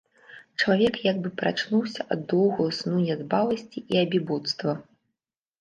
Чалавек як бы прачнуўся ад доўгага сну нядбаласці і абібоцтва.